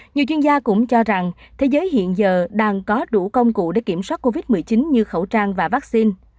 nhiều chuyên gia cũng cho rằng thế giới hiện giờ đang có đủ công cụ để kiểm soát covid một mươi chín như khẩu trang và vaccine